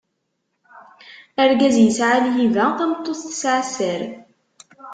Argaz yesɛa lhiba, tameṭṭut tesɛa sser.